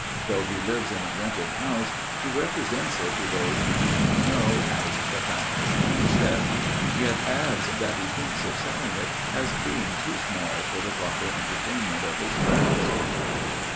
Though he lives in a rented house, he represents it to those who do not know as the family homestead; yet adds that he thinks of selling it as being too small for the proper entertainment of his friends.